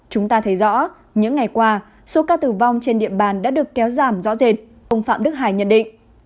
chúng ta thấy rõ những ngày qua số ca tử vong trên địa bàn đã được kéo giảm rõ rệt ông phạm đức hải nhận định